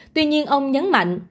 tuy nhiên ông nhấn mạnh